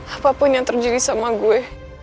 apapun yang terjadi sama gue